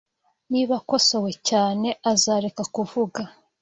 Niba akosowe cyane, azareka kuvuga.